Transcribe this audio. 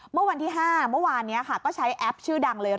เมื่อวันที่๕เมื่อวานนี้ค่ะก็ใช้แอปชื่อดังเลย